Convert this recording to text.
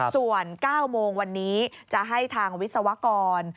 ส่วน๙โมงวันนี้จะให้ทางวิศวกร